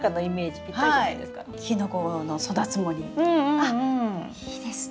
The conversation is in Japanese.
あっいいですね。